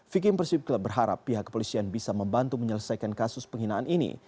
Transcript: viking persib club berharap pihak kepolisian bisa membantu menyelesaikan kasus penghinaan ini